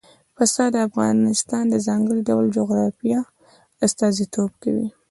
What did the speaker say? پسه د افغانستان د ځانګړي ډول جغرافیه استازیتوب کوي.